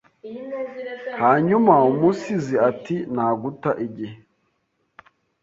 Hanyuma umusizi ati Nta guta igihe